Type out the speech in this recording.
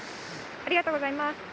ありがとうございます。